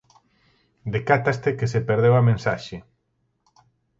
Decátaste que se perdeu a mensaxe.